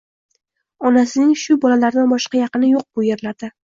Onasining shu bolalaridan boshqa yaqini yo`q bu erlarda